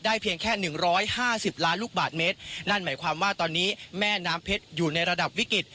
เพียงแค่หนึ่งร้อยห้าสิบล้านลูกบาทเมตรนั่นหมายความว่าตอนนี้แม่น้ำเพชรอยู่ในระดับวิกฤต